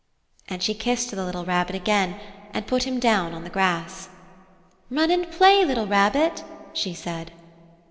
And she kissed the little Rabbit again and put him down on the grass. "Run and play, little Rabbit!" she said.